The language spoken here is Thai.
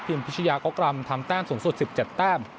ทีมพิชญาก๊อกรัมทำแต้มสูงสุด๑๗แต้ม